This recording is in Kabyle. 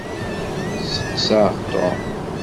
Steqseɣ Tom.